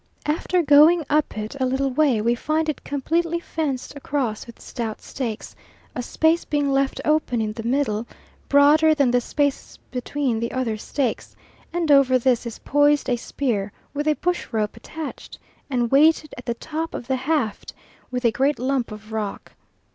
After going up it a little way we find it completely fenced across with stout stakes, a space being left open in the middle, broader than the spaces between the other stakes; and over this is poised a spear with a bush rope attached, and weighted at the top of the haft with a great lump of rock.